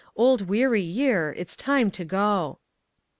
Old weary year! it's time to go.